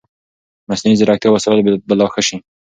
مصنوعي ځیرکتیا وسایل به لا ښه شي.